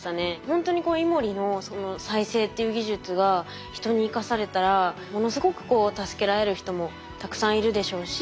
ほんとにイモリの再生っていう技術が人に生かされたらものすごく助けられる人もたくさんいるでしょうし。